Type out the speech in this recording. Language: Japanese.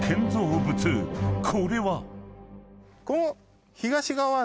［これは？］